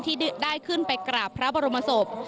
ที่ได้ขึ้นไปกราบพระบรมศพ